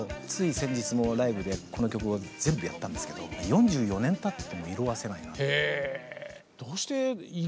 先日もライブでこの曲を全部やったんですけど４４年たっても色あせない。